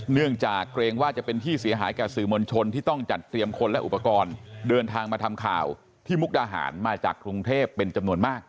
เนื่องจากเกรงว่าจะเป็นที่เสียหายแก่สื่อมวลชนที่ต้องจัดเตรียมคนและอุปกรณ์เดินทางมาทำข่าวที่มุกดาหารมาจากกรุงเทพเป็นจำนวนมาก